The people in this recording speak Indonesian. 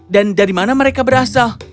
dan dari mana mereka berasal